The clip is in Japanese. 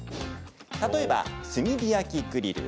例えば、炭火焼きグリル。